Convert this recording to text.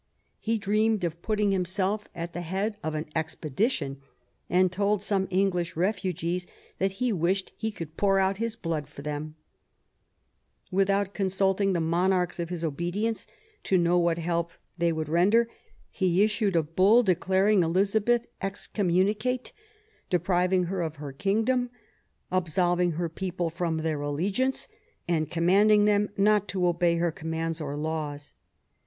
He dreamed of putting himself at the head of an expedition, and told some English refugees that he wished he could pour out his blood for them ". Without cousulting the monarchs of his obedience, to know what help they would render, he issued a THE EXCOMMUNICATION OF ELIZABETH. 133 Bull declaring Elizabeth excommunicate, depriving her of her kingdom, absolving her people from their allegiance, and commanding them not to obey her commands or laws.